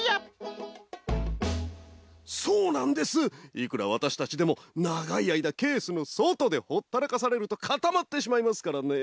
いくらわたしたちでもながいあいだケースのそとでほったらかされるとかたまってしまいますからね。